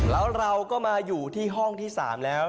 แล้วเราก็มาอยู่ที่ห้องที่๓แล้ว